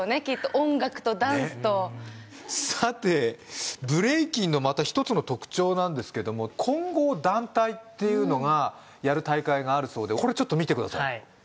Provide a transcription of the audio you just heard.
音楽とダンスとさてブレイキンのまた一つの特徴なんですけども混合団体っていうのがやる大会があるそうでこれちょっと見てください